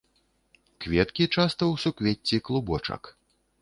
Кветкі часта ў суквецці клубочак.